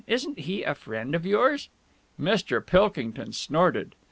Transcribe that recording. Isn't he a friend of yours?" Mr. Pilkington snorted.